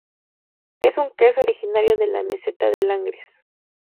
Es un queso originario de la meseta de Langres.